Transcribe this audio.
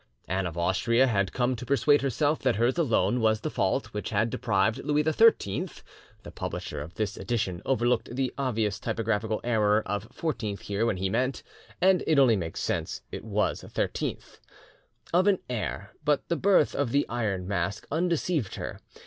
Anne of Austria had come to persuade herself that hers alone was the fault which had deprived Louis XIII [the publisher of this edition overlooked the obvious typographical error of "XIV" here when he meant, and it only makes sense, that it was XIII. D.W.] of an heir, but the birth of the Iron Mask undeceived her.